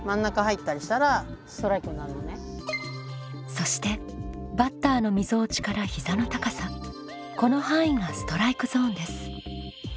そしてバッターのみぞおちから膝の高さこの範囲がストライクゾーンです。